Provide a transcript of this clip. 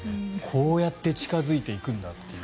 こうやって近付いていくんだという。